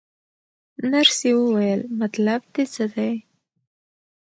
نرسې وویل: مطلب دې څه دی؟